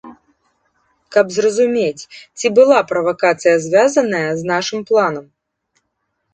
Каб зразумець, ці была правакацыя звязаная з нашым планам.